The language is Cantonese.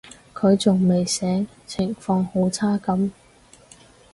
佢仲未醒，情況好差噉